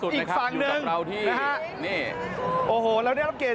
แล้วตอนนี้นะครับอีกฝั่งนึงนะฮะโอ้โหแล้วนี้นับเกณฑ์